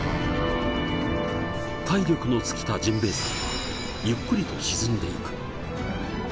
体力の尽きたジンベイザメはゆっくりと沈んでいく。